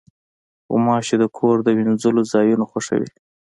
غوماشې د کور د وینځلو ځایونه خوښوي.